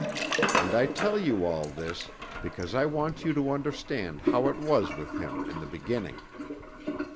And I tell you all this, because I want you to understand how it was with him in the beginning.